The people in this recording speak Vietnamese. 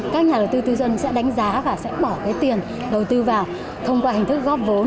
các nhà đầu tư tư dân sẽ đánh giá và sẽ bỏ cái tiền đầu tư vào thông qua hình thức góp vốn